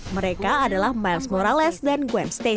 mereka adalah miles morales dan gwen stacy